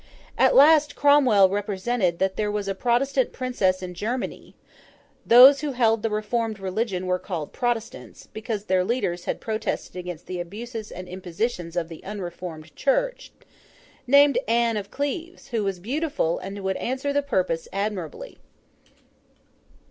At last Cromwell represented that there was a Protestant Princess in Germany—those who held the reformed religion were called Protestants, because their leaders had Protested against the abuses and impositions of the unreformed Church—named Anne of Cleves, who was beautiful, and would answer the purpose admirably.